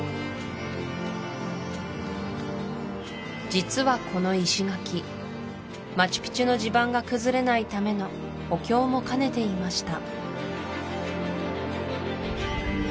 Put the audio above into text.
実はこの石垣マチュピチュの地盤が崩れないための補強も兼ねていました